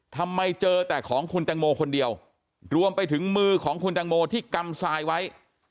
ทำไมเจอแต่ของคุณแตงโมคนเดียวรวมไปถึงมือของคุณตังโมที่กำทรายไว้